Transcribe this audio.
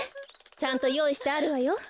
ちゃんとよういしてあるわよ。